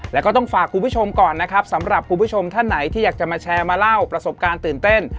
แล้วก็ต้องฝากคุณผู้ชมก่อนนะครับสำหรับคุณผู้ชมท่านไหนที่อยากจะมาแชร์มาเล่าประสบการณ์ตื่นเต้น